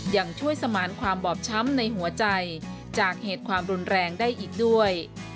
ยังช่วยสมานความบอบช้ำในหัวใจจากเหตุความรุนแรงได้อีกด้วย